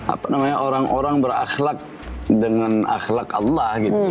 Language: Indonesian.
apa namanya orang orang berakhlak dengan akhlak allah gitu